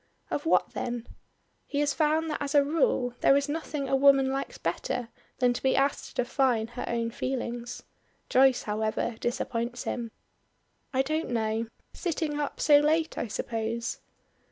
"Of what then?" He has found that as a rule there is nothing a woman likes better than to be asked to define her own feelings, Joyce, however, disappoints him. "I don't know. Sitting up so late I suppose."